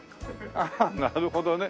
あっなるほどね。